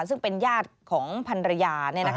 ซึ่งเป็นญาติของพันรยา